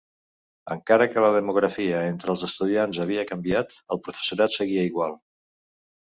Encara que la demografia entre els estudiants havia canviat, el professorat seguia igual.